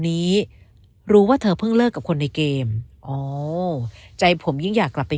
นี้รู้ว่าเธอเพิ่งเลิกกับคนในเกมอ๋อใจผมยิ่งอยากกลับไป